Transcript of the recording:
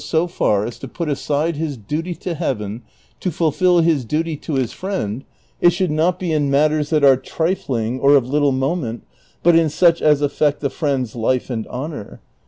277 so far as to put aside his duty to Heaven to fulfil his duty to his friend, it should not be in matters that are trifling or of little mo ment, but in such as affect the friend's life and honor.